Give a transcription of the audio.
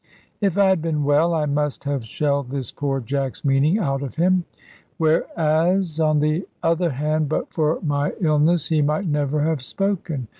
If I had been well, I must have shelled this poor Jack's meaning out of him; whereas, on the other hand, but for my illness he might never have spoken.